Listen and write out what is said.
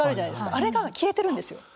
あれが消えてるんですよ。